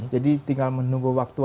jadi tinggal menunggu waktu